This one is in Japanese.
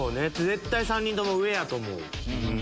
絶対３人とも上やと思う。